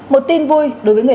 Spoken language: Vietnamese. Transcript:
một tin vui đối với người